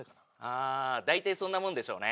あぁ大体そんなもんでしょうね。